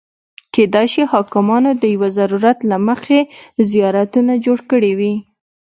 کېدای شي حاکمانو د یو ضرورت له مخې زیارتونه جوړ کړي وي.